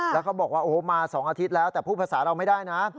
แล้วเขาบอกว่าโอ้โหมา๒อาทิตย์แล้วแต่พูดภาษาเราไม่ได้นะ